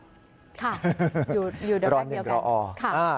ค่ะอยู่ด้วยกันเดี๋ยวออก